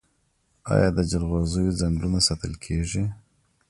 آیا د جلغوزیو ځنګلونه ساتل کیږي؟